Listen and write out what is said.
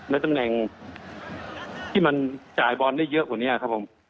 ตำแหน่งที่มันจ่ายบอลได้เยอะกว่านี้ครับผม